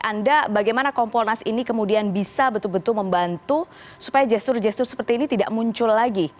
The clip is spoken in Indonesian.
anda bagaimana kompolnas ini kemudian bisa betul betul membantu supaya gestur gestur seperti ini tidak muncul lagi